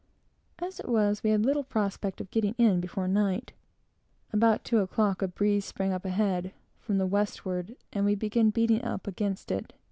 As it was, we had little prospect of getting in before night. About two o'clock a breeze sprang up ahead, from the westward, and we began beating up against it.